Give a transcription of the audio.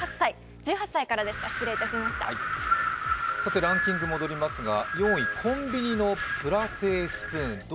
１８歳からでした、失礼いたしましたランキングに戻りますが、４位、コンビニのプラ製スプーン。